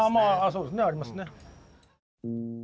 そうですねありますね。